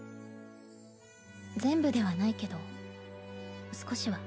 全部ではないけど少しは。